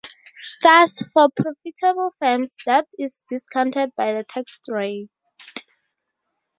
Thus, for profitable firms, debt is discounted by the tax rate.